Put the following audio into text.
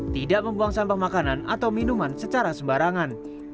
tidak membuang sampah makanan atau minuman secara sembarangan